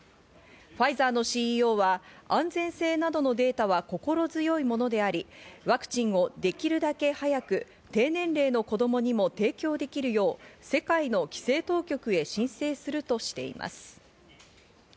ファイザーのＣＥＯは安全性などのデータは心強いものであり、ワクチンをできるだけ早く低年齢の子供にも提供できるよう世界の規制当局へ申請するとしています。